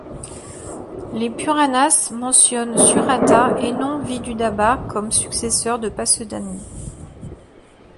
Les Puranas mentionnent Suratha, et non Viḍūḍabha, comme successeur de Pasedani.